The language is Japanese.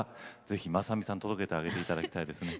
ぜひまさみさんに届けてあげていただきたいですね。